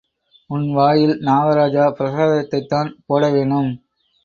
உன் வாயில் நாகராஜா பிரசாதத்தைத்தான் போடவேணும்.